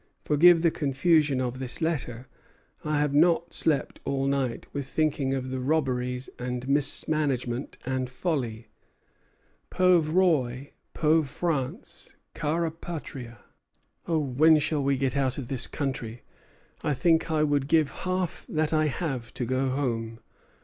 Forgive the confusion of this letter; I have not slept all night with thinking of the robberies and mismanagement and folly. Pauvre Roi, pauvre France, cara patria!" "Oh, when shall we get out of this country! I think I would give half that I have to go home.